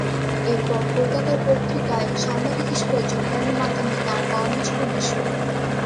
এরপর কলকাতার পত্রিকায় সাংবাদিক হিসাবে যোগদানের মাধ্যমে তার কর্মজীবনের শুরু।